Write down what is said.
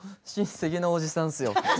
親戚のおじさんです